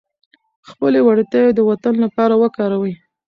خپلې وړتیاوې د وطن لپاره وکاروئ.